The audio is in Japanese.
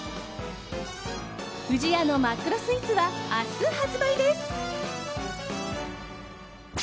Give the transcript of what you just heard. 不二家の真っ黒スイーツは明日発売です。